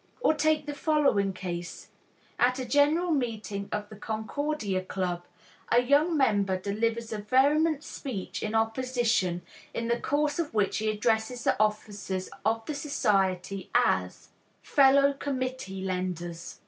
Or take the following case: At a general meeting of the Concordia Club, a young member delivers a vehement speech in opposition, in the course of which he addresses the officers of the society as: "Fellow committee lenders."